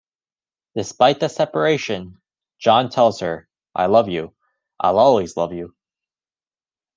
Despite the separation, John tells her, 'I love you, I'll always love you.